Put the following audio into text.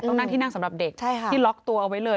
ต้องนั่งที่นั่งสำหรับเด็กที่ล็อกตัวเอาไว้เลย